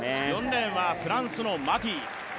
４レーンはフランスのマティ。